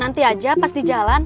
nanti aja pas di jalan